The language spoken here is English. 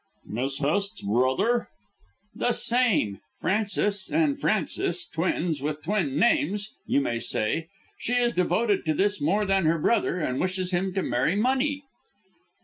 "Miss Hest's brother?" "The same. Francis and Frances twins, with twin names, you might say. She is devoted to this more than brother, and wishes him to marry money."